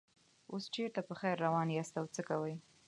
اوس چېرته په خیر روان یاست او څه کوئ.